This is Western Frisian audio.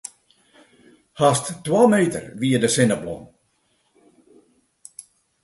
Hast twa meter wie de sinneblom.